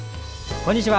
こんにちは。